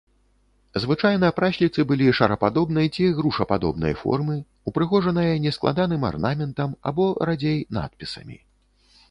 Звычайна прасліцы былі шарападобнай ці грушападобнай формы, упрыгожаныя нескладаным арнаментам або, радзей, надпісамі.